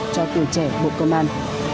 cho tuổi trẻ bộ công an